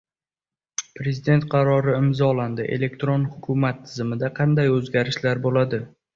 Prezident qarori imzolandi. Elektron hukumat tizimida qanday o‘zgarishlar bo‘ladi?